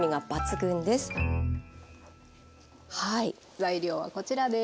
材料はこちらです。